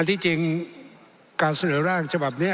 ที่จริงการเสนอร่างฉบับนี้